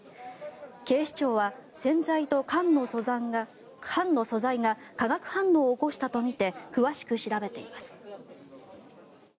警視庁は洗剤と缶の素材が化学反応を起こしたとみて詳しく調べています。